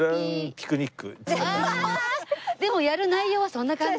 でもやる内容はそんな感じ！